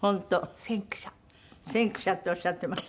先駆者っておっしゃってます。